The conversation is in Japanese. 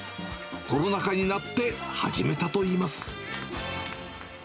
コロナ禍になって始めたといいます。